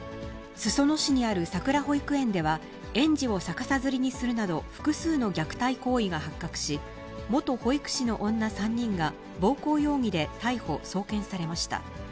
裾野市にあるさくら保育園では、園児を逆さづりにするなど複数の虐待行為が発覚し、元保育士の女３人が、暴行容疑で逮捕・送検されました。